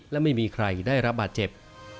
และไม่มีใครได้รับบาดเจ็บ